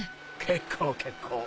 結構結構